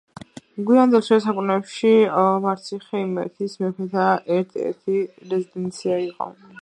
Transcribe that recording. გვიანდელ შუა საუკუნეებში ვარციხე იმერეთის მეფეთა ერთ-ერთი რეზიდენცია იყო.